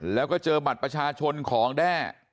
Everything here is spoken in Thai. แล้วก็เจอบัตรประชาชนของแด้